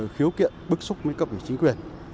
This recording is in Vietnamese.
khiếu kiện bức xúc với cấp của chính quyền